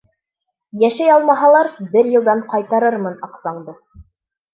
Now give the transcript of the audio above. Йәшәй алмаһалар, бер йылдан ҡайтарырмын аҡсаңды!